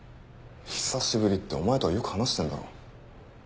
「久しぶり」ってお前とはよく話してんだろ。